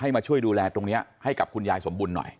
ให้มาช่วยดูแลตรงเนี่ยให้กับคุณยายสมบูรณ์หน่อย